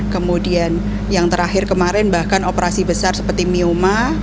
kemudian yang terakhir kemarin bahkan operasi besar seperti mioma